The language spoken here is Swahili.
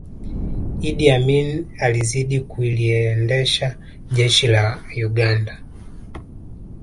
iddi amini alizidi kuliendesha jeshi la uganda